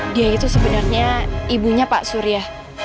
dia itu sebenarnya ibunya pak surya